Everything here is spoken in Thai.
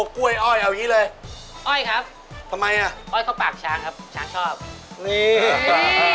ภาษิตใช่ไหม